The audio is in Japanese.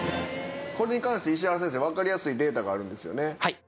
これに関して石原先生わかりやすいデータがあるんですよね？